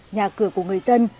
nhà cửa của người dân